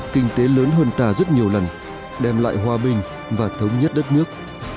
kinh tế lớn hơn ta rất nhiều lần đem lại hòa bình và thống nhất đất nước